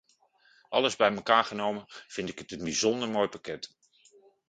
Alles bij elkaar genomen vind ik het een bijzonder mooi pakket.